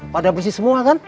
padahal bersih semua kan